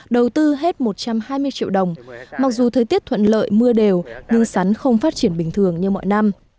đầu tư hết một trăm hai mươi triệu đồng mặc dù thời tiết thuận lợi mưa đều nhưng sắn không phát triển bình thường như mọi năm